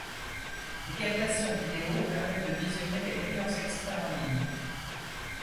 Des captations vidéo permettent de visionner les meilleurs extraits en ligne.